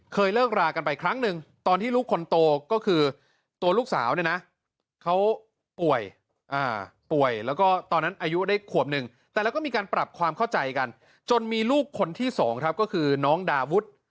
เคยเลิกรากันไปครั้งหนึ่งตอนที่ลูกคนโตก็คือตัวลูกสาวเนี่ยนะเขาป่วย